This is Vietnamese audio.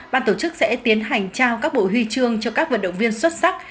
ban tổ chức sẽ tiến hành trao các bộ huy chương cho các vận động viên xuất sắc